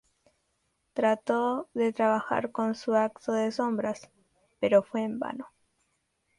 Trató de trabajar con su acto de sombras, pero fue en vano.